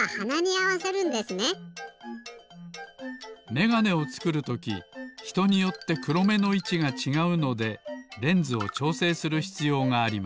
めがねをつくるときひとによってくろめのいちがちがうのでレンズをちょうせいするひつようがあります。